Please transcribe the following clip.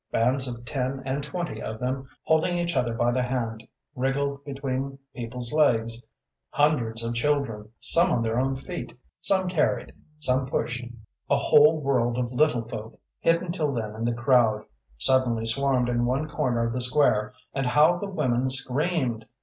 Bands of ten and twenty of them, holding each other by the hand, wriggled between people's legs; hundreds of children, some on their own feet, some carried, some pushed, a whole world of little folk, hidden till then in the crowd, suddenly swarmed in one corner of the square; and how the women screamed!